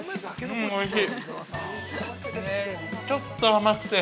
◆ちょっと甘くて。